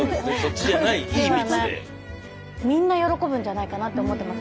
みんな喜ぶんじゃないかなって思ってます。